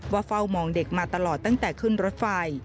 เฝ้ามองเด็กมาตลอดตั้งแต่ขึ้นรถไฟ